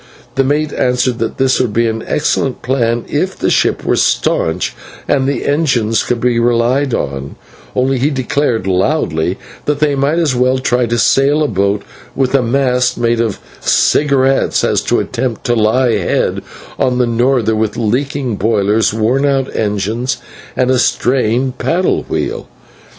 The mate answered that this would be an excellent plan if the ship were staunch and the engines to be relied on, but he declared loudly that they might as well try to sail a boat with a mast made of cigarettes, as to attempt to lie head on to a norther with leaking boilers, worn out engines, and a strained paddle wheel.